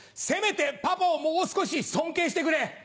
せめてパパをもう少し尊敬してくれ！